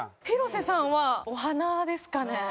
広瀬さんはお鼻ですかね。